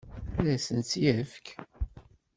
Ad asen-tt-yefk?